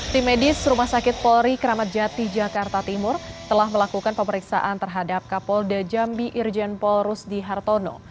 tim medis rumah sakit polri kramat jati jakarta timur telah melakukan pemeriksaan terhadap kapolda jambi irjen paul rusdi hartono